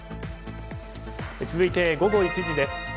続いて午後１時です。